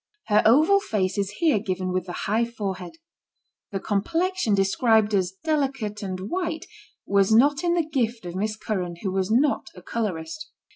Her oval face is here given with the high forehead. The complexion described as deli cate and white was not in the gift of Miss Curran, who was not a colourist.